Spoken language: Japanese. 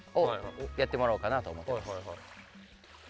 やってもらおうかなと思ってます。